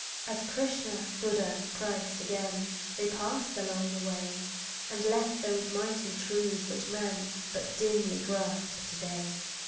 As Krishna, Buddha, Christ again, They passed along the way, And left those mighty truths which men But dimly grasp to day.